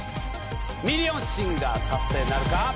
ミリオンシンガー達成なるか？